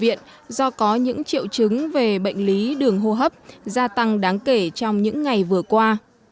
viện do có những triệu chứng về bệnh lý đường hô hấp gia tăng đáng kể trong những ngày vừa qua